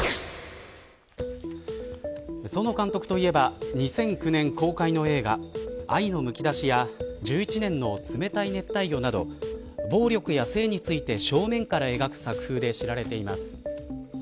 園監督といえば２００９年公開の映画愛のむきだしや１１年の冷たい熱帯魚など暴力や性について正面から描く作風で知られています。